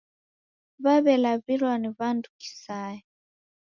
W'aw'elaw'ilwa ni w'andu kisaya